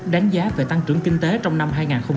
đánh giá về tăng trưởng kinh tế trong năm hai nghìn hai mươi